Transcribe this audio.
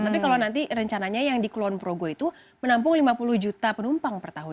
tapi kalau nanti rencananya yang di kulon progo itu menampung lima puluh juta penumpang per tahun